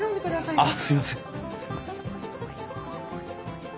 あっすいません。